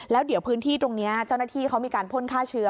แล้วเดี๋ยวพื้นที่ตรงนี้เจ้าหน้าที่เขามีการพ่นฆ่าเชื้อ